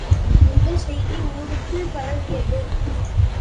இந்த செய்தி ஊருக்குள் பரவியது.